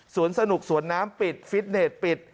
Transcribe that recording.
สนุกสวนน้ำปิดฟิตเน็ตปิด